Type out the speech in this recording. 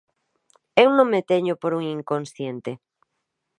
Eu non me teño por un inconsciente.